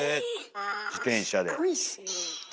自転車で。